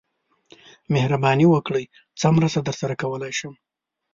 مهرباني وکړئ څه مرسته درسره کولای شم